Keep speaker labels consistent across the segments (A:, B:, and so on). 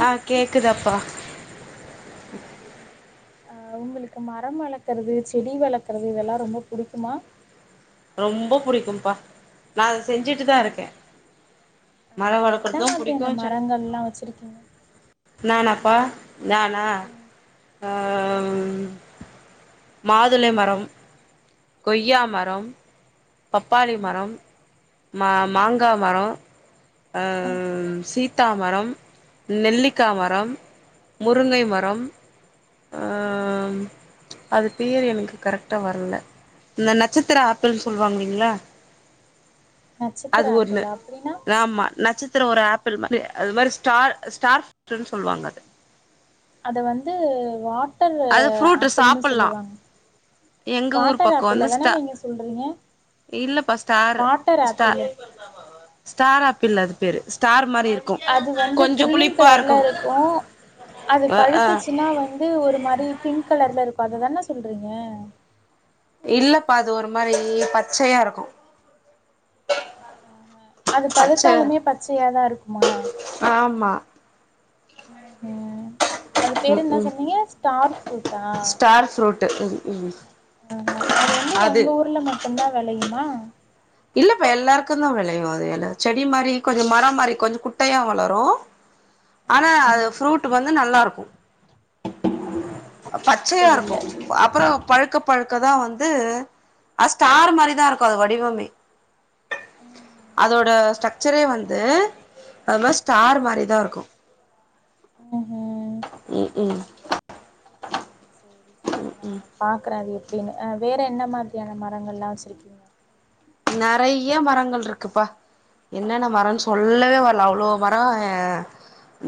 A: ஆ கேக்குதாப்பா
B: அ உங்களுக்கு மரோ வளர்க்குறது செடி வளர்க்குறது இதெல்லா ரொம்ப புடிக்குமா
A: ரொம்ப புடிக்கும்ப்பா நா அத செஞ்சுட்டு தா இருக்கே
B: ஆ
A: மர
B: என்ன
A: வளர்க்குறது
B: மாதிரியான
A: புடிக்கு செடி
B: மரங்களா வச்சிருக்கீங்க
A: நானாப்பா நானா
B: ம்
A: அ
B: ஆமா
A: ம்
B: தோழி
A: மாதுளை மரோம் கொய்யா
B: ம்
A: மரோம் பப்பாளி
B: ம்
A: மரோம் மா
B: ம்
A: மாங்கா மரோ அ
B: ம்
A: சீத்தா மரோம்
B: ம்
A: நெல்லிக்கா மரோம் முருங்கை
B: ம்
A: மரோம் அ ம் அது பேர் எனக்கு கரெக்டா வரல இந்த நட்சத்திர ஆப்பிள் சொல்வாங்கில்லியா
B: நட்சத்திர
A: அது ஒன்னு
B: ஆப்பிளா அப்டின்னா
A: ஆமா நட்சத்திரோ ஒரு ஆப் அப்பிள் அது மாறி அது மாறி ஸ்டார் ஸ்டார் ஃப்ரூட்னு சொல்லுவாங்க அது
B: அத வந்து வாட்டர்
A: அது ஃப்ரூட்
B: ஆப்பிள்னு
A: சாப்புட்லா
B: சொல்லுவாங்க
A: எங்க ஊர்
B: வாட்டர்
A: பக்கோ வந்து
B: ஆப்பிளதான
A: ஸ்டா
B: நீங்க சொல்றீங்க
A: இல்லப்பா ஸ்டார்
B: வாட்டர்
A: ஸ்டா
B: ஆப்பிளு
A: ஸ்டார் ஆப்பிள் அது பேரு ஸ்டார் மாரி இருக்கு
B: அது வந்து
A: கொஞ்சோ
B: கிரீன்
A: புளிப்பா
B: கலர்ல இருக்கு அது
A: அ ஆ
B: பழுத்துச்சுன்னா வந் ந்து ஒரு மாரி பிங்க் கலர்ல இருக்கு அதுதான சொல்றீங்க
A: இல்லப்பா அது ஒரு மாரி பச்சையா இருக்கு
B: அ அது
A: பச்சையா இரு
B: பழுத்தாலுமே பச்சையாதா இருக்குமா
A: ஆமா
B: உ அது பேரு
A: ம்
B: என்ன
A: ம்
B: சொன்னீங்க ஸ்டார் ஃப்ரூட்டா
A: ஸ்டார் ஃப்ரூட்டு ம் ம்
B: ஆ அது வந்து உங்க ஊர்ல மட்டுதா வெளையுமா
A: இல்லப்ப எல்லாருக்கு தா விளயு அது எல்லா செடி மாரி கொஞ்சோ மரோ மாரி கொஞ் குட்டையா வளரு
B: [inaudible]
A: ஆனா அது
B: ம்ஹும்
A: ஃப்ரூட் வந்து நல்லா இருக்கு
B: ம்ஹும் நான்
A: பச்சயா
B: பாத்ததில்ல
A: இருக்கு அப்பறோ பழுக்க பழுக்கதா வந்து அ ஸ்டார் மாரிதா இருக்கு அது வடிவமே
B: ம்ஹும்
A: அதோட ஸ்ட்ரக்சரே வந்து அது மாரி ஸ்டார் மாரி தா இருக்கு
B: உ ஹூ
A: உம் உம்
B: சரி சரி நா பாக்குறே அது எப்டின்னு வேற என்ன மாதிரியான மரங்களா வச்சிருக்கீங்க
A: நிறைய மரங்கள் இருக்குப்பா என்னென்ன மரம்னு
B: ஆஹ
A: சொல்லவே வேணா அவ்ளோ மரோ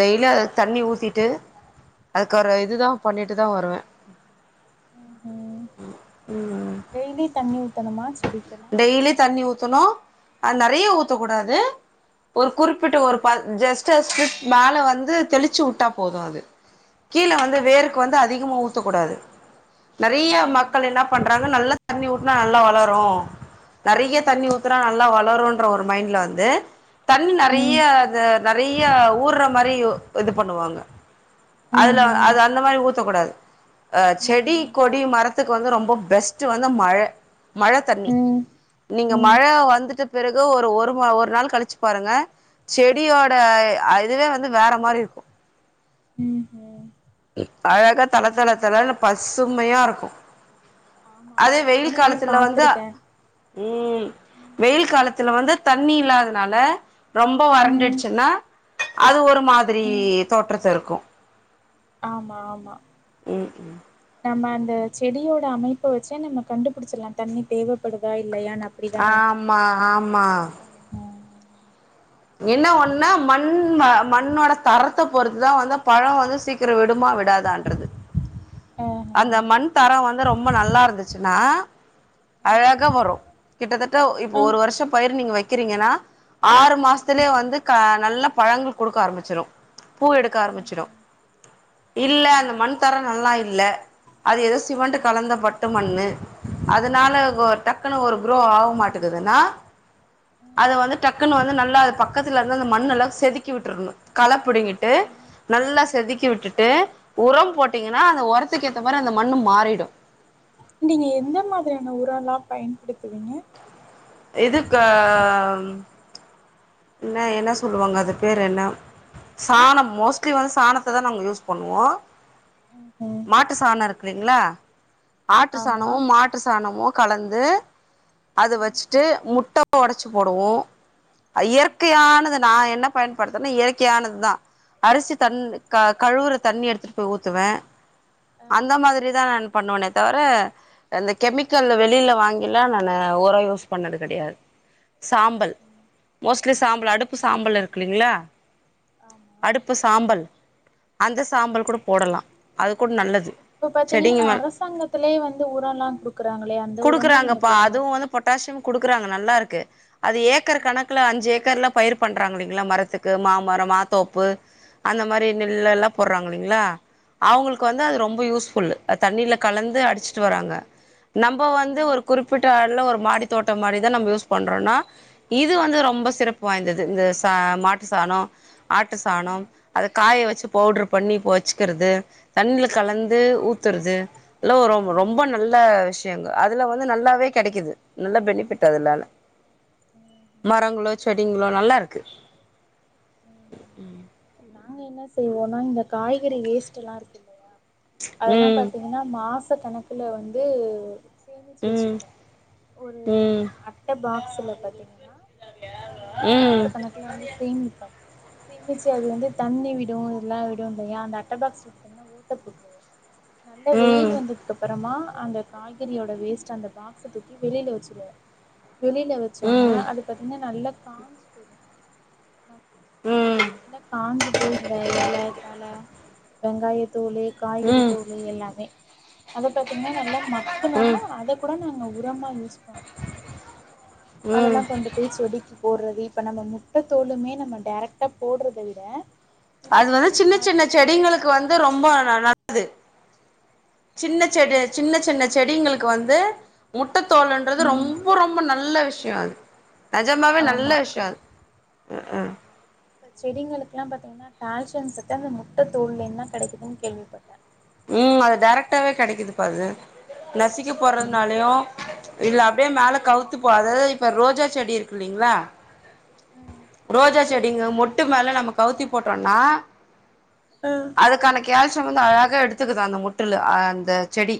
A: டெய்லி அத தண்ணி ஊத்திட்டு அதுக்கு ஒரு இதுதா பண்ணிட்டு தா வருவே
B: டெய்லி தண்ணி ஊத்தணுமா செடிக்கெலா
A: டெய்லி தண்ணி ஊத்தனு அது நிறைய ஊத்தக்கூடாது ஒரு குறிப்பிட்ட ஒரு பட் ஜெஸ்ட் மேல வந்து தெளிச்சு உட்டா போது அது கீழ வந்து
B: ம்
A: வேருக்கு
B: ம்
A: வந்து அதிகமாக ஊத்தகூடாது நேறைய
B: ம்ஹும்
A: மக்கள் என்ன பண்றாங்க நல்லா தண்ணி ஊத்துனா நல்லா வளரு நிறைய
B: ம்ஹும்
A: தண்ணி ஊத்துனா நல்லா வளரும்ன்ற ஒரு மைண்ட்ல வந்து தண்ணி நிறைய
B: ம்
A: அ நிறைய ஊர்ற மாதிரி இது பண்ணுவாங்க
B: ம்
A: அதுல
B: ம்ஹும்
A: அது அந்த மாரி ஊத்தகூடாது அ செடி
B: ம்ஹும்
A: கொடி மரத்து க்கு வந்து ரொம்ப பெஸ்ட் வந்து மழ மழ தண்ணி
B: உ
A: நீங்க மழ வந்துட்டு பிறகு ஒரு ஒரு வா ஒரு நாள் கழிச்சு பாருங்க செடியோட அதுவே வந் ந்து வேற மாரி இருக்கு
B: ம்ஹும்
A: அழகா தள தள தளனு பசுமையா இருக்கு
B: ஆமா
A: அதே
B: ஆமா
A: வெயில்
B: நானுமே
A: காலத்துல வந்து
B: பாத்திருக்கே ம்
A: வெயில் காலத்துல வந்து தண்ணி இல்லாதனால ரொம்ப
B: ம்
A: வறண்டுட்ச்சுன்னா அது ஒரு மா திரி
B: ம்
A: தோற்றத்த இருக்கு
B: ஆமா ஆமா
A: ம் ம்
B: நம்ம அந்த செடியோட அமைப்ப வச்சே நம்ம கண்டுபுடுச்சர்லா தண்ணி தேவைப்படுதா இல்லயான்
A: ஆமா ஆமா என்ன ஒன்னா
B: கண்டிப்பா
A: மண்
B: கண்டிப்பா
A: மண்ணோட தரத்த பொறுத்தா வந்து பழோ வந்து சீக்கிரோ விடுமா வி டாதான்றது
B: ஆ ஹா
A: அந்த மண் தரோ வந்து ரொம்ப நல்லா இருந்துச்சுனா அழகா வரு கிட்டதட்ட இப்போ
B: ஆ
A: ஒரு வருஷ பயிர் நீங்க வைக்கிறீங்ன்னா ஆறு மாசத்துலே வந்து க நல்ல பழங்கள் குடுக்க ஆரம்பிச்சிரு பூ எடுக்க ஆரம்பிச்சிடு இல்ல அந்த மண் தரோ நல்லா இல்ல அது ஏதோ சிமெண்டு கலந்த பட்டு மண்ணு அதனால டக்குனு ஒரு குரோ ஆக மாட்டகுதுனா அது வந்து டக்கு டக்குன்னு வந்து நல்லா அது பக்கதுல இந்த அந்த மண்னெலா செதுக்கி விட்ரணு கள பிடிங்கிட்டு நல்லா செதுக்கி விட்டுட்டு உரம் போட்டீங்கனா அந்த ஒரத்துக்கு ஏத்த மாரி அந்த மண்ணு மாறிடு
B: நீங்க எந்த மாதிரியான உரலா பயன்படுத்துவீங்க
A: இதுக் அ என்ன என்ன சொல்லுவாங்க அது பேர் என்ன சாணோ மோஸ்ட்லி வந்து சாணத்த தா நாங்க யூஸ் பண்ணுவோ
B: ம்ஹும்
A: மாட்டு சாணோ இருக்லீங்ளா ஆட்டு
B: ஆமா
A: சாணமு மாட்டு சாணமு கலந்து அது
B: ம்
A: வச்ட்டு முட்ட ஒடச்சு போடுவோ
B: ம்
A: இயற்கையானது நா என்ன பயன்படுத்துறனா இயற்கையானதுதா அரிசி தண்
B: ம்
A: க கழுவுற தண்ணி எடுத்துட்டு போய் ஊத்துவே
B: ஆ
A: அந்த மாதி ரிதா நான் பண்ணுவனே தவிர அந்த கெமிக்கல் வெளில வாங்கிலா நானு ஒரோ யூஸ் பண்ணது கெடையா சாம்பல்
B: ம்ஹும்
A: மோஸ்ட்லி சாம்பல் அடுப்பு சாம்பல் இருக்ல்லீங்ளா
B: ஆமா
A: இப்போ சாம்பல் அந்த
B: ம்
A: சாம்பல் கூட போடலா அது கூட் நல்லது
B: இப்போ பாத்தீங்கன்னா
A: செடிங்க மேல
B: அரசாங்கத்திலயே வந்து உரோலா குடுக்கறாங்ளே அந்த உரமு நீங்க
A: குடுக்குறாங்கப்பா
B: போட
A: அதுவு
B: மாட்டி
A: வந்து பொட்டாசியம் குடுக்குறாங்க நல்லா இருக்கு அது ஏக்கர் கணக் ஏக்கர்ல பயிர் பண்றாங்க இல்லைங்ளா மரத்துக்கு மாமரோ மாத்தோப்பு அந்த மாரி நெல்லெல்லா
B: ஆமா
A: போட்றாங் இல்லைங்ளா அவுங்களுக்கு வந்து
B: ம்ஹும்
A: அது ரொம்ப யூஸ்ஃபுல்லு அ தண்ணில கலந்து அடிச்சிட்டு வராங்க நம்ம வந்து
B: ம்
A: ஒரு குறிப்பிட்ட அள ஒரு மாடி தோட்டோ மாரி தா நம்ம யூஸ் பண்றோனா இது வந்து
B: ம்
A: ரொம்ப சிறப்பு வாய்ந்தது இந்த சா மாட்டு சாணோ ஆட்டு சாணம்
B: ம்
A: அத காய வச்சு பவுடர் பண்ணி பொ வச்க்றது தண்ணில
B: ம்
A: கலந்து
B: ம்
A: ஊத்துறது எல்லா ரொ
B: ம்ஹும்
A: ரொம்ப நல்ல விஷ் யோங்க அதுல வந்து நல்லாவே கெடைக்குது நல்ல பெனிஃபிட்டு அதுலால
B: ம்
A: மரங்களோ செடிங்களோ நல்லா இருக்கு
B: ம்ஹும் நாங்க என்ன செய்வோனா இந்த காய்கறி வேஸ்ட் எல்லா இருக்குல்ல அதல்லா
A: ம்
B: பாத்தீங்கனா மாச கணக்குல வந்து சேமிச்சு
A: ம்
B: வச்சுபோம் ஒரு
A: ம்
B: அட்ட பாக்ஸில பாத்தீங்னா அதாது வந்து
A: ம்
B: மாச
A: ம்
B: கணக்குல வந்து சேமிப்போ சேமிச்சு அது வந்து தண்ணி விடு இதெல்லா விடுலய அந்த அட்டபாக்ஸ் பாத்தீங்கன்னா ஓட்ட போட்ருவோ நல்ல
A: ம்
B: வெயில் வந்ததுக்கு அப்பறமா அந்த காய்கறியோட வேஸ்ட் அந்த பாக்ஸ தூக்கி வெளில வச்சிருவோ வெளில வச்சோனே அது பாத்தீங்கன்னா நல்லா காஞ்சு போயிடு
A: ம்
B: நல்லா காஞ்சு போய் இந்த இல தல வெங்காய தோலு
A: ம்
B: காய்கறி
A: ம்
B: தோலு எல்லாமே அத பாத்தீங்னா நல்லா மக்ணோன
A: ம்
B: அத கூட நாங்க உரமா யூஸ் பண் அதல்லா
A: ம்
B: கொண்டு போய் செடிக்கு போடு றது இப்ப நம்ம முட்ட தோலுமே நம்ம டேரக்டா போடுறத விட இதே
A: அது வந்து
B: மாரி
A: சின்ன சின்ன
B: மக்கி
A: செடிங்களுக்கு வந்து ரொம்ப நல்லது சின்ன
B: ஆமா
A: செடி
B: இதே மாரி
A: சின்ன
B: நம்ம
A: சின்ன
B: மக்கி
A: செடிங்களுக்கு வந்து முட்டத்தோலுன்றது
B: ம்
A: ரொம்ப ரொம்போ ரொம்போ நல்ல விஷயம் அது நிஜமாவே நல்ல
B: ஆமா
A: விஷயம் அது
B: ஆமா இப்ப செடிங்களுக்கு எல்லா பாத்தீங்கன்னா கால்சியம் சத்து அந்த முட்ட தோல் இருந்துதா கிடைக்குதுன்னு கேள்விப்பட்ட
A: ம் அது டேரெக்ட்டாவே கிடைக்குது பா அது நசுக்கி
B: ம் ம்
A: போறதுனாலு இல்ல அப்டியே மேலே கவுத்துப்போ அதாவது இப்ப ரோஜா செடி இருக்கு இல்லைங்ளா
B: ம்
A: ரோஜா செடிங்க மொட்டு மேல நம்ம கவுத்தி போட்டோனா
B: ம்
A: அதுக்கான கோல்சியம் வந்து அழகா எடுத்துக்குது அந்த மொட்டுல அந்த செடி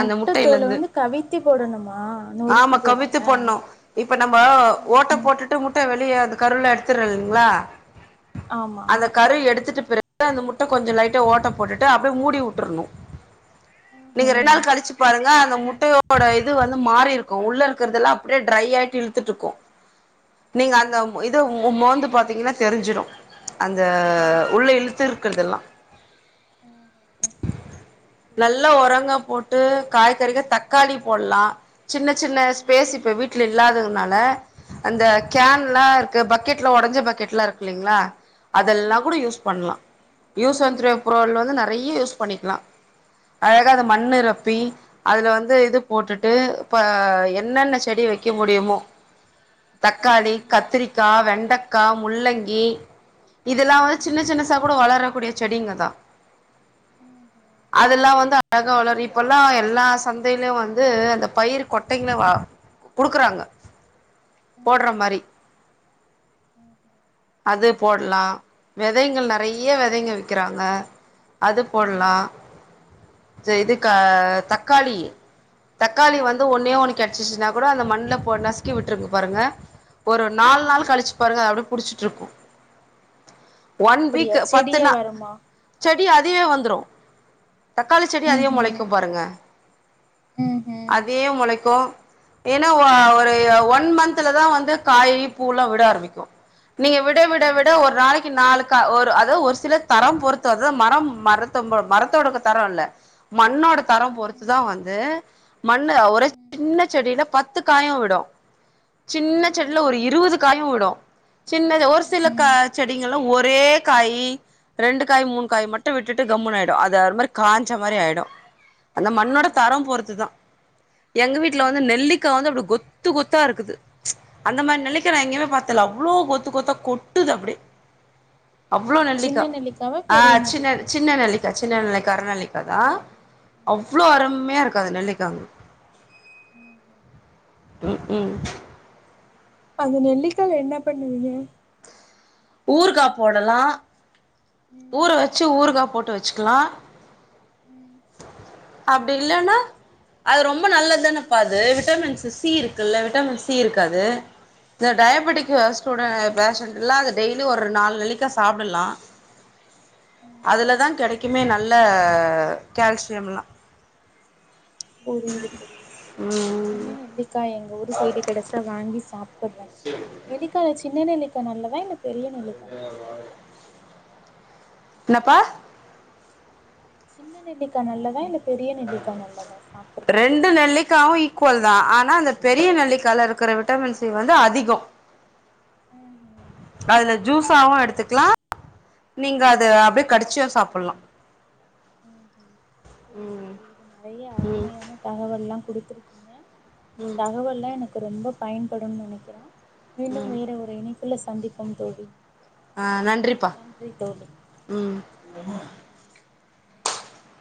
A: அந்த
B: தோலு
A: முட்டையிலருந்து
B: வந்து கவித்தி போடணுமா நொறுக்கி
A: ஆமா
B: போடாம
A: கவித்து போட்ணும் இப்ப நம்ம
B: ம்
A: ஓட்ட
B: ம்
A: போட்டுட்டு முட்ட வெளிய அந்த கருல எடுத்துற இல்லைங்ளா
B: ஆமா
A: அந்த கரு எடுத்துட்டு பிறகு அந்த முட்ட கொஞ்சோ லைட்டா ஓட்ட போட்டுட்டு அப்டியே மூடி விட்டுருணு நீங்க ரெண்டு நாள் கழிச்சி பாருங்க அந்த முட்டையோட இது வந்து மாரி இருக்கு உள்ள இருக்கிறதுதெல்லா அப்டியே ட்ரை ஆயிட்டு இழுத்துட்டு இருக்கு தெரிஞ்சிரு அந்த உள்ள இழுத்து இருக்கறதுதெல்லா நல்ல
B: புரியுது
A: உரங்க
B: புரியுது
A: போட்டு காய்கறிகள் தக்காளி போடலா சின்ன சின்ன ஸ்பேஸ் இப்ப வீட்ல இல்லாததுனால அந்த கேன்லா இருக்கு பக்கெட்ல உடஞ்ச பக்கெட்லா இருக்கு இல்லைங்ளா அதெல்லா கூட யூஸ் பண்ணலா யூஸ் அண்ட் தூரே பொருள் வந்து நிறைய யூஸ் பண்ணிக்கலா அழக அது மண்ணு நொப்பி அதுல வந்து இது போட்டுட்டு இப்போ என்னென்ன செடி வைக்க முடியுமோ தக்காளி கத்திரிக்கா வெண்டக்கா முள்ளங்கி இதெல்லா வந்து சின்ன சின்னசா கூட வளரக்கூடிய செடிங்க தா
B: ம் ம்
A: அதெல்லா வந்து அழக வளரு இப்பல்லா எல்லா சந்தையிலு வந்து அந்த பயிர் கொட்டைங்கலே வ குடுக்குறாங்க போட்ற மாரி அது போட்லா வெதைங்கள் நிறைய வெதைங்க விக்கிறாங்க அது போட்லா அந்ந இதுக்க தக்காளி தக்காளி வந்து ஒன்னே ஒன்னு கெடுச்சிசுனா கூட அந்த மண்ல போ நசுக்கி விட்டுருங்க பாருங்க ஒரு நால் நாள் கழிச்சி பாருங்க அப்டியே புடிச்சிட்டு இருக்கு ஒன்
B: அப்படியா
A: வீக்கு
B: செடியா
A: பத்துனா
B: வருமா
A: செடி அதுயே வந்துரு தக்காளி செடி அதுவே மொளைக்கு பாருங்க
B: ம் ஹூ
A: அதே மொளைக்கு ஏனா அ ஒரு ஒன் ஒன் மந்துல தா வந்து காயி பூலா விட ஆரம்பிக்கு நீங்க விட விட விட ஒரு நாளைக்கு நாளுக்கா ஒரு அது ஒரு சிலர் தரம் பொறுத்து அத மரம் மர மரத்தோடுக்கு தரோ இல்ல மண்ணோடத் தரம் பொறுத்து தா வந்து மண்ணு ஒரு சின்ன செடியில பத்து காயு விடு சின்ன செடியில ஒரு இருவது காயு விடு சின்னது ஒரு சில கா செடிங்கலாம் ஒரே காய் ரெண்டு காய் மூணு காய் மட்டு விட்டுட்டு கம்முன் ஆயிடு அது மாரி காஞ்ச மாரி ஆயிடு அந்த மண்ணோட தரம் பொறுத்து தா எங்க வீட்ல வந்து நெல்லிக்கா வந்து அப்டி கொத்து கொத்தா இருக்குது அந்த மாரி நெல்லிக்கா நா எங்கயுமே பாத்தல்ல அவ்ளோ கொத்து கொத்தா கொட்டுது அப்டி அவ்ளோ நெல்லிக்கா
B: சின்ன நெல்லிக்காவா
A: ஆ
B: பெரிய
A: சின்ன
B: நெல்லிக்காவா
A: சின்ன நெல்லி சின்ன நெல்லிக்கா அற நெள்ளிக்கா தா அவ்ளோ அருமையா இருக்காது நெல்லிக்கா ம் க்ம்
B: அது நெல்லிக்கால என்ன பண்ணுவீங்க
A: ஊர்கா போடலா ஊர வச்சு ஊருகா போட்டு வச்சுக்கலா அப்டி இல்லனா அது ரொம்ப நல்லதுதான பா அது விட்டமின்ஸு சி இருக்குல்ல விட்டமின் சி இருக்காது இந்த டயபெட்டிக்கு ஸ்டூட பேஷண்ட்லா அது டெய்லி ஒரு நால் நெல்லிக்கா சாப்டலா அதுலதா கெடைக்குமே நல்ல கேல்சியம்லா
B: புரியுது புரியுது புரியுது நா
A: ம்
B: இனிமே நெல்லிக்கா எங்க ஊர் சைடு கெடச்சா வாங்கி சாப்புறே
A: செரிமா
B: நெல்லிக்கால சின்ன நெல்லிக்கா நல்லதா இல்ல பெரிய நெல்லிக்கா வா
A: என்னப்பா
B: சின்ன நெல்லிக்கா நல்லதா இல்ல பெரிய நெல்லிக்கா நல்லதா சாப்புட்றதுக்கு
A: ரெண்டு நெல்லிக்காவு ஈக் குவல் தா ஆனா அந்த பெரிய நெல்லிக்கால இருக்கற விட்டமின் சி வந்து அதிகோ
B: ம்ஹு
A: அதுல ஜூஸாவு எடுத்துக்லா நீங்க அது அப்டியே கடிச்சியு சாப்பலா
B: ம் ஹு புரியுது
A: ம்
B: புரியுது நெறைய
A: ம்
B: அருமையான தகவல்லா குடுத்துருக்கீங்க இந்த
A: ம்
B: தகவல்லா எனக்கு ரொம்ப பயன்படுன் நெனைக்கிற மீண்டும்
A: ம்
B: வேற ஒரு இணைப் புல சந்திப்போம் தோழி
A: ஆ நன்றிப்பா
B: நன்றி தோழி
A: ம்